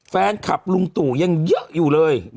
แฟนคลับลุงตู่ยังเยอะอยู่เลย